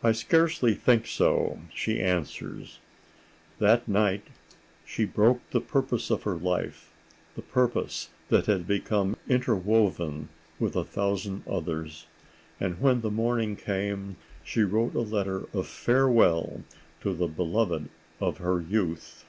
"I scarcely think so," she answers.... "That night she broke the purpose of her life, the purpose that had become interwoven with a thousand others, and when the morning came she wrote a letter of farewell to the beloved of her youth."